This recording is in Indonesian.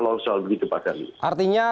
lonsor begitu pak shali artinya